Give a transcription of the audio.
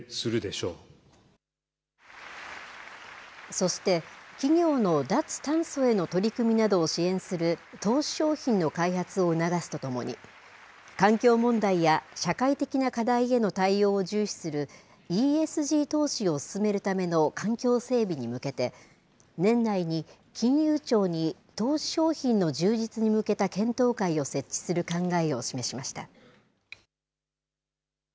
そして、企業の脱炭素への取り組みなどを支援する投資商品の開発を促すとともに、環境問題や社会的な課題への対応を重視する、ＥＳＧ投資を進めるための環境整備に向けて、年内に、金融庁に、投資商品の充実に向けた検討会を設置する考えを示しました。